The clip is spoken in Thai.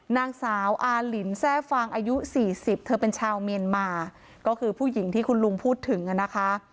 นางสาวอาลินแทร่ฟางอายุสี่สิบเธอเป็นชาวเมียนมาก็คือผู้หญิงที่คุณลุงพูดถึงอ่ะนะคะ